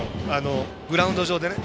グラウンド上でね。